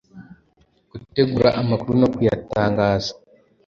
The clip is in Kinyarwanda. Gutegura amakuru no kuyatangaza.